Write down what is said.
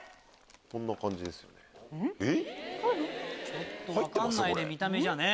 こんな感じですよね。